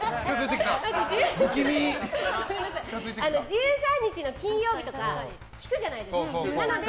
１３日の金曜日とか聞くじゃないですか。